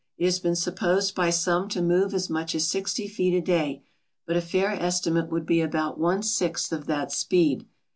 It has been supposed by some to move as much as sixty feet a day, but a fair estimate would be about one sixth of that speed.